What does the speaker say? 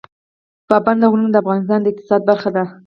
پابندی غرونه د افغانستان د اقتصاد برخه ده.